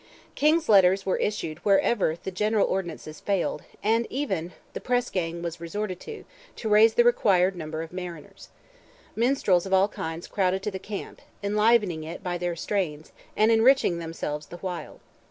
King's letters were issued whenever the usual ordinances failed, and even the press gang was resorted to, to raise the required number of mariners. Minstrels of all kinds crowded to the camp, enlivening it by their strains, and enriching themselves the while.